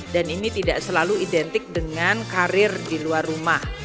dan ini tidak selalu identik dengan karir di luar rumah